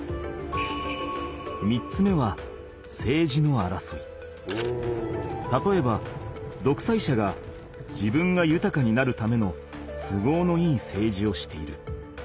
３つ目はたとえばどくさい者が自分がゆたかになるための都合のいい政治をしている。